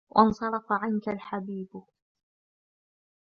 وَانْصَرَفَ عَنْك الْحَبِيبُ